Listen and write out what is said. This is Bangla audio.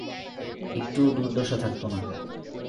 একটুও দুর্দশা থাকতো না।